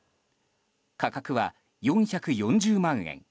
価格は４４０万円。